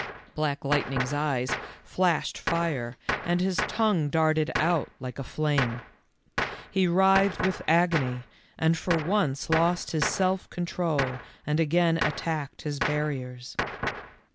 Black Lightning's eyes flashed fire, and his tongue darted out like a flame. He writhed with agony, and for once lost his self control and again attacked his barriers.